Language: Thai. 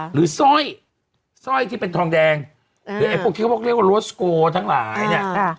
หรือซ้อยซ้อยที่เป็นทองแดงหรือไอ้พวกเขาบอกเรียกว่าทั้งหลายเนี้ย